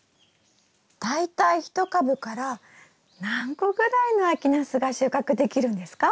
大体１株から何個ぐらいの秋ナスが収穫できるんですか？